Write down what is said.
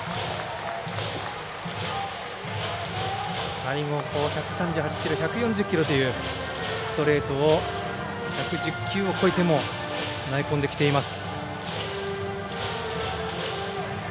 最後、１３８キロ１４０キロというストレートを１１０球を超えても投げ込んできています。